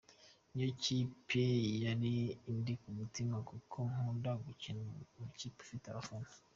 Ni yo kipe yari indi ku mutima kuko nkunda gukinira amakipe afite abafana.